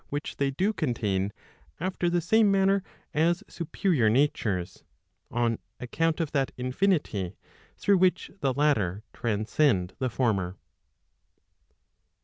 which they do contain after the same manner as superior natures, on account of that infinity through which the latter transcend the former.